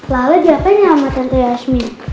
lala diapanya sama tante yasmin